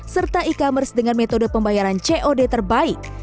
serta e commerce dengan metode pembayaran cod terbaik